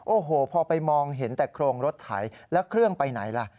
โอ้โหพอไปมองเห็นแต่โครงรถไถแล้วเครื่องไปไหนล่ะ